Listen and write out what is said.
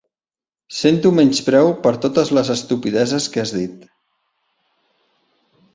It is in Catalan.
Sento menyspreu per totes les estupideses que has dit.